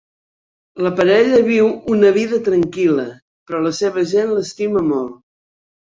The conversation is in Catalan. La parella viu una "vida tranquil·la" però la seva gent l'estima molt.